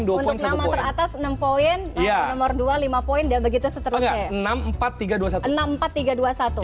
untuk nama teratas enam poin nomor dua lima poin dan begitu seterusnya